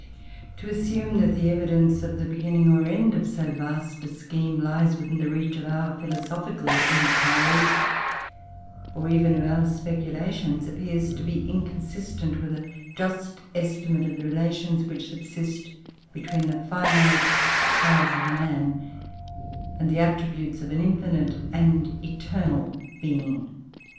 To assume that the evidence of the beginning, or end, of so vast a scheme lies within the reach of our philosophical inquiries, or even of our speculations, appears to be inconsistent with a just estimate of the relations which subsist between the finite powers of man and the attributes of an infinite and eternal Being."